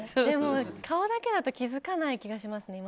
でも顔だけだと気付かない気がします。